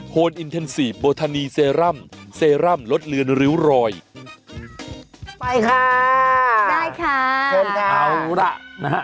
ไปค่าได้ค่าเชิญค่าเอาล่ะนะฮะ